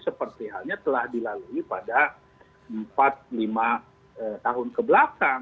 seperti halnya telah dilalui pada empat lima tahun kebelakang